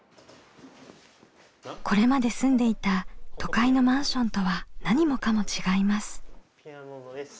これまで住んでいた都会のマンションとは何もかも違います。